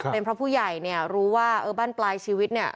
เป็นเพราะผู้ใหญ่เนี่ยรู้ว่าเออบ้านปลายชีวิตเนี่ย